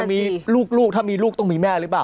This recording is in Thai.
มีลูกถ้ามีลูกต้องมีแม่หรือเปล่า